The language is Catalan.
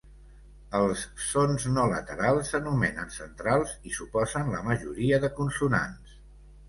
Els sons no laterals s'anomenen centrals i suposen la majoria de consonants.